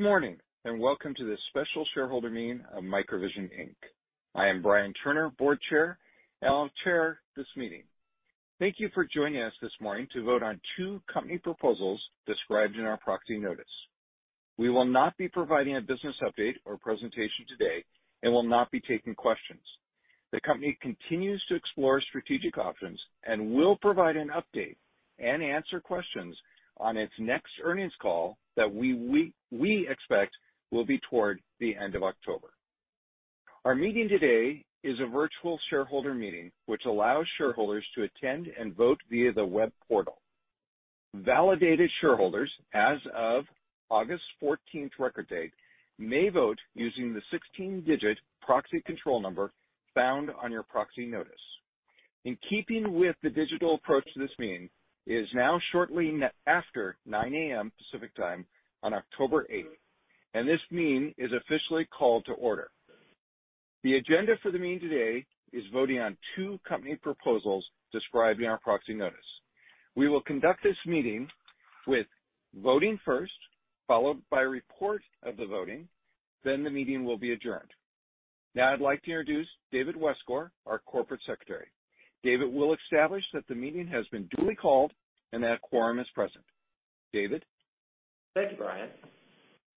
Good morning. Welcome to this special shareholder meeting of MicroVision, Inc. I am Brian Turner, board chair, and I'll chair this meeting. Thank you for joining us this morning to vote on two company proposals described in our proxy notice. We will not be providing a business update or presentation today and will not be taking questions. The company continues to explore strategic options and will provide an update and answer questions on its next earnings call that we expect will be toward the end of October. Our meeting today is a virtual shareholder meeting, which allows shareholders to attend and vote via the web portal. Validated shareholders as of August 14th record date may vote using the 16-digit proxy control number found on your proxy notice. In keeping with the digital approach to this meeting, it is now shortly after 9:00 A.M. Pacific Time on October 8th. This meeting is officially called to order. The agenda for the meeting today is voting on two company proposals described in our proxy notice. We will conduct this meeting with voting first, followed by a report of the voting. The meeting will be adjourned. I'd like to introduce David Westgor, our corporate secretary. David will establish that the meeting has been duly called and that a quorum is present. David? Thank you, Brian.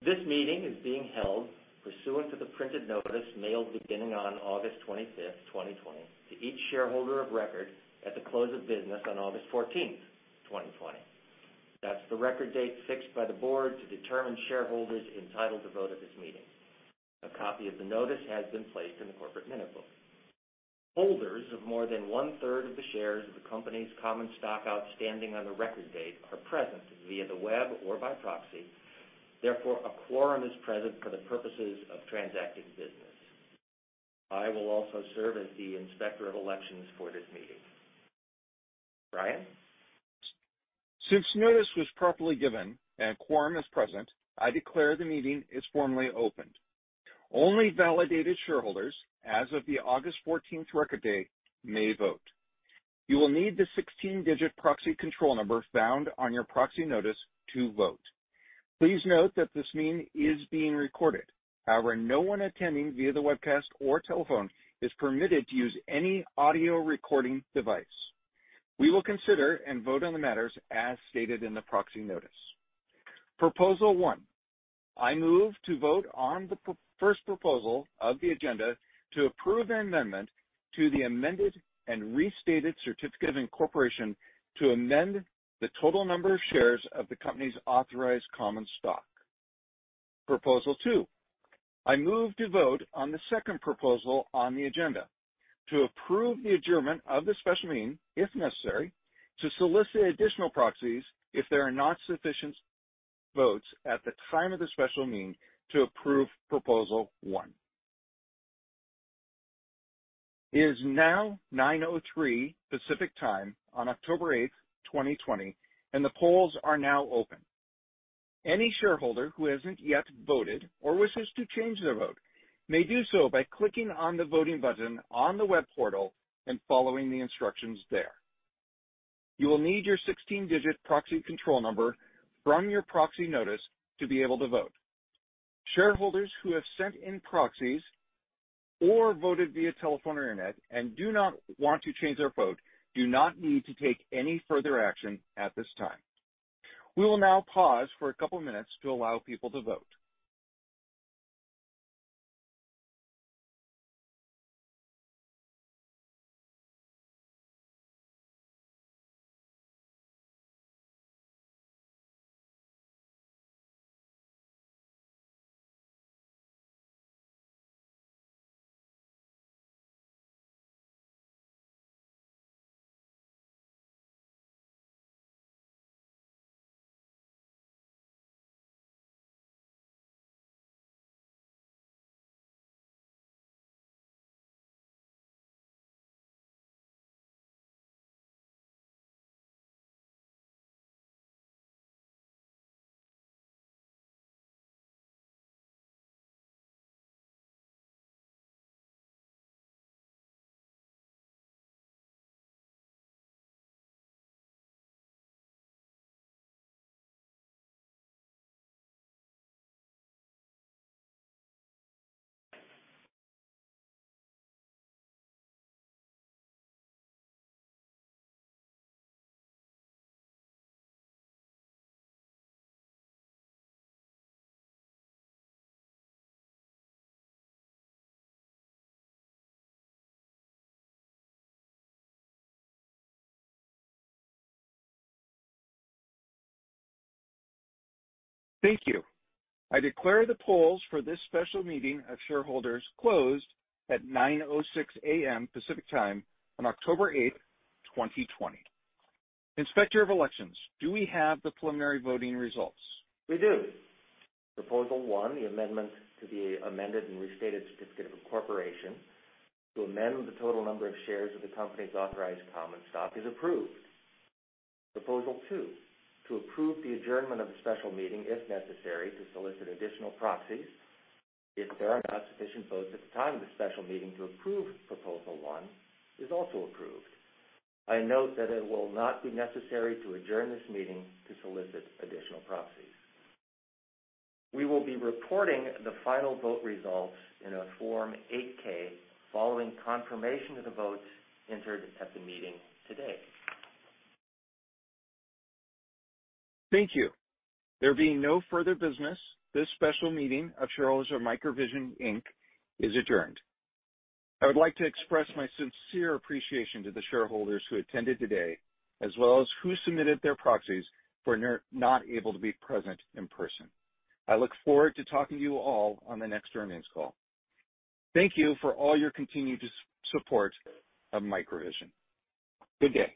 This meeting is being held pursuant to the printed notice mailed beginning on August 25th, 2020, to each shareholder of record at the close of business on August 14th, 2020. That's the record date fixed by the board to determine shareholders entitled to vote at this meeting. A copy of the notice has been placed in the corporate minute book. Holders of more than one-third of the shares of the company's common stock outstanding on the record date are present via the web or by proxy. Therefore, a quorum is present for the purposes of transacting business. I will also serve as the inspector of elections for this meeting. Brian? Since notice was properly given and a quorum is present, I declare the meeting is formally opened. Only validated shareholders as of the August 14th record date may vote. You will need the 16-digit proxy control number found on your proxy notice to vote. Please note that this meeting is being recorded. However, no one attending via the webcast or telephone is permitted to use any audio recording device. We will consider and vote on the matters as stated in the proxy notice. Proposal one, I move to vote on the first proposal of the agenda to approve an amendment to the amended and restated certificate of incorporation to amend the total number of shares of the company's authorized common stock. Proposal two, I move to vote on the second proposal on the agenda to approve the adjournment of the special meeting, if necessary, to solicit additional proxies if there are not sufficient votes at the time of the special meeting to approve proposal one. It is now 9:03 A.M. Pacific Time on October 8th, 2020, and the polls are now open. Any shareholder who hasn't yet voted or wishes to change their vote may do so by clicking on the voting button on the web portal and following the instructions there. You will need your 16-digit proxy control number from your proxy notice to be able to vote. Shareholders who have sent in proxies or voted via telephone or internet and do not want to change their vote do not need to take any further action at this time. We will now pause for a couple of minutes to allow people to vote. Thank you. I declare the polls for this special meeting of shareholders closed at 9:06 A.M. Pacific Time on October 8th, 2020. Inspector of elections, do we have the preliminary voting results? We do. Proposal one, the amendment to the amended and restated certificate of incorporation to amend the total number of shares of the company's authorized common stock is approved. Proposal two, to approve the adjournment of the special meeting, if necessary, to solicit additional proxies if there are not sufficient votes at the time of the special meeting to approve proposal one, is also approved. I note that it will not be necessary to adjourn this meeting to solicit additional proxies. We will be reporting the final vote results in a Form 8-K following confirmation of the votes entered at the meeting today. Thank you. There being no further business, this special meeting of shareholders of MicroVision, Inc. is adjourned. I would like to express my sincere appreciation to the shareholders who attended today, as well as who submitted their proxies for not able to be present in person. I look forward to talking to you all on the next earnings call. Thank you for all your continued support of MicroVision. Good day.